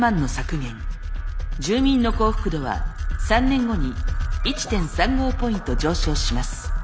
住民の幸福度は３年後に１．３５ポイント上昇します。